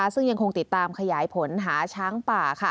ซึ่งยังคงติดตามขยายผลหาช้างป่า